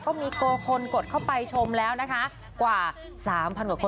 ก็มีโกคนกดเข้าไปชมแล้วนะคะกว่า๓๐๐กว่าคน